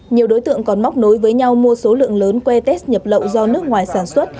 nhiều đối tượng còn móc nối với nhau mua số lượng lớn que test nhập lậu do nước ngoài sản xuất